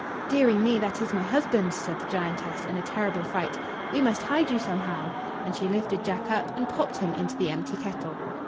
"Dearie me, that is my husband!" said the giantess, in a terrible fright; "we must hide you somehow," and she lifted Jack up and popped him into the empty kettle.